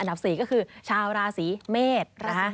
อันดับ๔ก็คือชาวราศีเมธ